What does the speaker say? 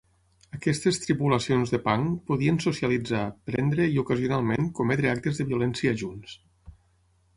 Aquestes 'tripulacions' de punk podien socialitzar, prendre, i ocasionalment cometre actes de violència junts.